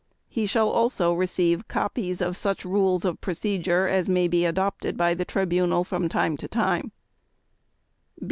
He shall also receive copies of such rules of procedure as may be adopted by the Tribunal from time to time.